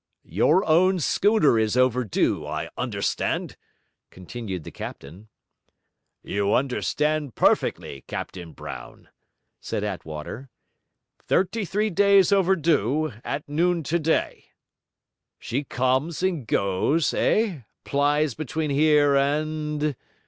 'Your own schooner is overdue, I understand?' continued the captain. 'You understand perfectly, Captain Brown,' said Attwater; 'thirty three days overdue at noon today.' 'She comes and goes, eh? plies between here and...?'